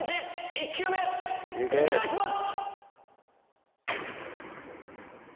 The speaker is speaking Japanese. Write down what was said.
１球目お願いします